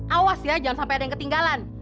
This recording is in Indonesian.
awas ya jangan sampai ada yang ketinggalan